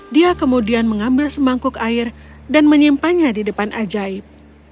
dia kemudian mengambil semangkuk air dan menyimpannya di depan ajaib